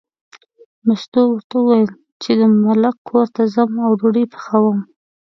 مستو ورته وویل چې د ملک کور ته ځم او ډوډۍ پخوم.